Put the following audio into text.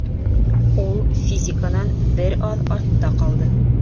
Ул физиканан бер аҙ артта ҡалды